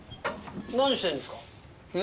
何してるんですか？